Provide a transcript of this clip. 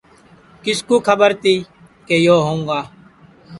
کِس کُو کھٻر تی کہ یو ہؤں گا